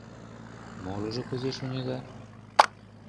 Молыжо кузе шонеда?